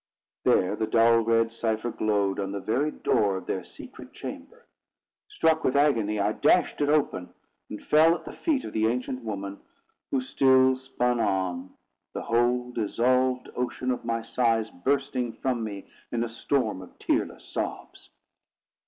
There the dull red cipher glowed, on the very door of their secret chamber. Struck with agony, I dashed it open, and fell at the feet of the ancient woman, who still spun on, the whole dissolved ocean of my sighs bursting from me in a storm of tearless sobs.